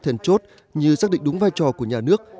thèn chốt như xác định đúng vai trò của nhà nước